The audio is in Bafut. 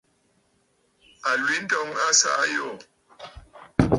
Àlwintɔŋ a saà àyoò.